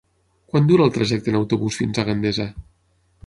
Quant dura el trajecte en autobús fins a Gandesa?